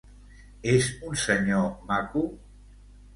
És un senyor maco?